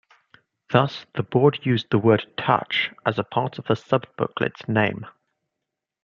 Thus, the Board used the word "Touch" as a part of the sub-booklet's name.